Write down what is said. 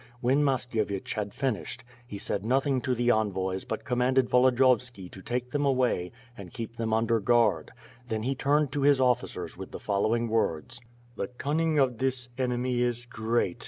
When Mashkievich had finished, he said nothing to the envoys but commanded Volo diyovski to take them away and keep them under guard; then he turned to his officers with the following words: "The cunning of this enemy is great!